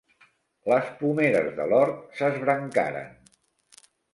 Les pomeres de l'hort s'esbrancaren.